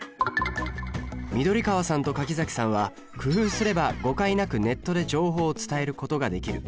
緑川さんと柿崎さんは「工夫すれば誤解なくネットで情報を伝えることができる」。